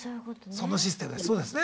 そのシステムそうですね